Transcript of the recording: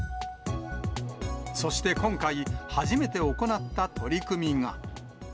そして今回、初めて行った取り組みが。